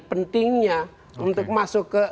pentingnya untuk masuk ke